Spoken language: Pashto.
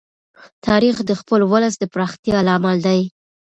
تاریخ د خپل ولس د پراختیا لامل دی.